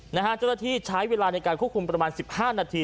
เจ้าหน้าที่ใช้เวลาในการควบคุมประมาณ๑๕นาที